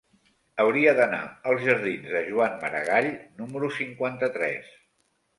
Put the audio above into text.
Hauria d'anar als jardins de Joan Maragall número cinquanta-tres.